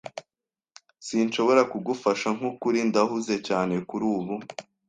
Sinshobora kugufasha. Nkukuri, ndahuze cyane kurubu.